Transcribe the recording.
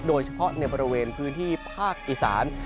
โดยเฉพาะในบริเวณพื้นที่ภาคอีสาน